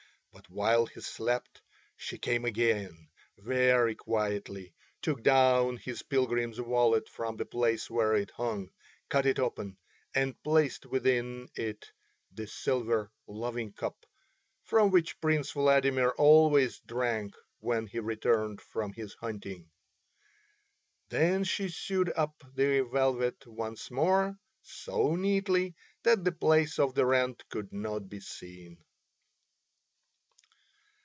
But while he slept she came again very quietly, took down his pilgrim's wallet from the place where it hung, cut it open and placed within it the silver loving cup from which Prince Vladimir always drank when he returned from his hunting. Then she sewed up the velvet once more, so neatly, that the place of the rent could not be seen.